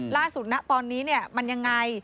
ล่าสุดนะตอนนี้เนี่ยมันยังไง